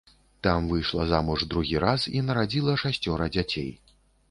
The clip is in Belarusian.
Там выйшла замуж другі раз і нарадзіла шасцёра дзяцей.